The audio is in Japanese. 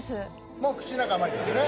もう口の中、甘いですよね。